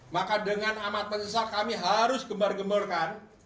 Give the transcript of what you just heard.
maka dengan amat menyesat kami harus gembar gemborkan